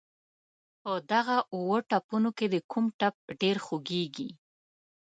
په دغه اووه ټپونو کې دې کوم ټپ ډېر خوږېږي.